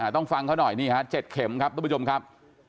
ต้องฟังเขาหน่อยนี่ฮะ๗เข็มครับทุกผู้ชมครับ